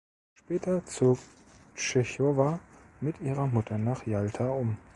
Später zog Tschechowa mit ihrer Mutter nach Jalta um.